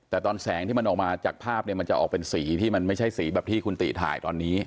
แต่ตอนแสงที่มันออกมาจากภาพเนี่ยมันจะออกเป็นสีที่มันไม่ใช่สีแบบที่คุณติถ่ายตอนนี้